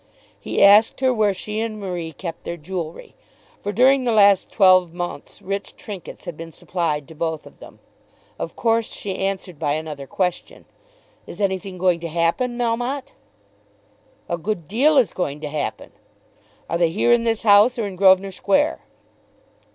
He asked her where she and Marie kept their jewelry; for during the last twelvemonths rich trinkets had been supplied to both of them. Of course she answered by another question. "Is anything going to happen, Melmotte?" "A good deal is going to happen. Are they here in this house, or in Grosvenor Square?"